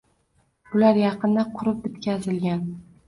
Bular yaqinda qurib bitkazilgan.